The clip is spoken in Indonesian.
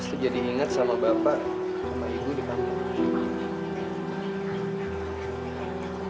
terus tuh jadi ingat sama bapak sama ibu di panggung